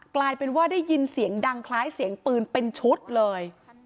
กลายเป็นว่าได้ยินเสียงดังคล้ายเสียงปืนเป็นชุดเลย